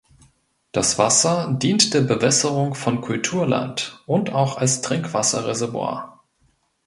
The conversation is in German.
Das Wasser dient der Bewässerung von Kulturland und auch als Trinkwasserreservoir.